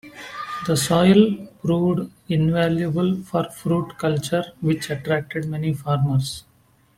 The soil proved invaluable for fruit culture which attracted many farmers.